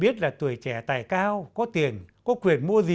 biết là tuổi trẻ tài cao có tiền có quyền mua sản phẩm